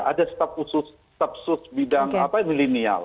ada staf khusus stafsus bidang milenial